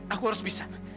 aku harus bisa